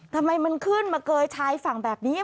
ทำไมมันขึ้นมาเกยชายฝั่งแบบนี้